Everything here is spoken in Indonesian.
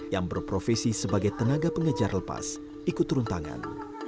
yang berprofesi sebagai tenaga pengejar lepas ikut turun tangan